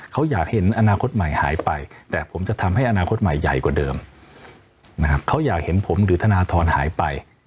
เขาอยากเห็นผมริทนาทอนหายไป